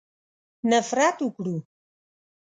نفرت وکړو.